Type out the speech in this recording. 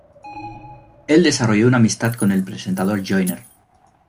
Él desarrolló una amistad con el presentador Joyner.